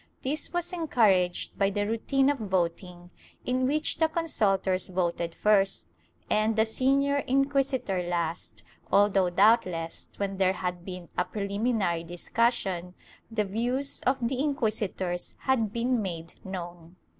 This was encouraged by the routine of voting, in which the consultors voted first and the senior inquisitor last, although doubtless, when there had been a preliminary discussion, the views of the inquisitors had been made known.